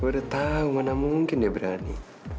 gue udah tahu mana mungkin dia berani